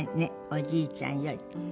「おぢいちゃんより」